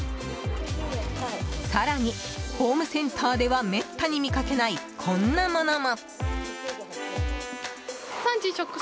更に、ホームセンターではめったに見かけないこんなものも。